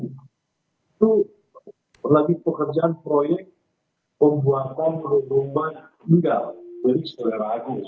itu lagi pekerjaan proyek pembuatan perhubungan tinggal dari selera agustus